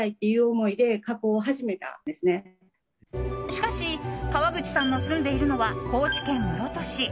しかし川口さんの住んでいるのは高知県室戸市。